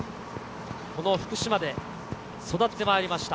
この福島で育ってまいりました。